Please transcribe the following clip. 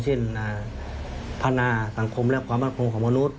เช่นพันธาสังคมและความบันทึกของมนุษย์